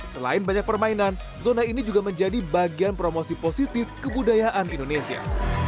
selain banyak permainan zona ini juga menjadi bagian promosi positif kebudayaan indonesia